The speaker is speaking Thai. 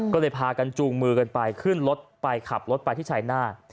ก็เลยพากันจูงมือกันไปขึ้นรถไปขับรถไปที่ชายหน้า